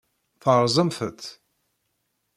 Terẓamt-tt.